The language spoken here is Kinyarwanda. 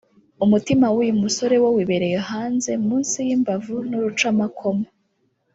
umutima w’uyu musore wo wibereye hanze munsi y’imbavu n’urucamakoma